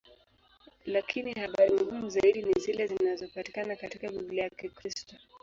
Lakini habari muhimu zaidi ni zile zinazopatikana katika Biblia ya Kikristo.